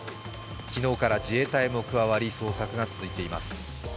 昨日から自衛隊も加わり、捜索が続いています。